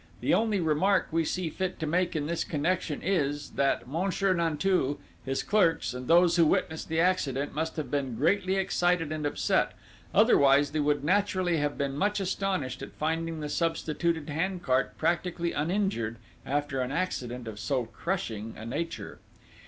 The only remark we see fit to make in this connection is, that Monsieur Nanteuil, his clerks, and those who witnessed the accident, must have been greatly excited and upset, otherwise they would naturally have been much astonished at finding the substituted hand cart practically uninjured after an accident of so crushing a nature.